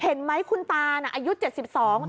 เห็นไหมคุณตาน่ะอายุเจ็ดสิบสอง